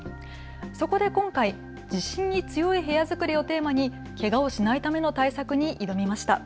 そこで今回、地震に強い部屋作りをテーマにけがをしないための対策に挑みました。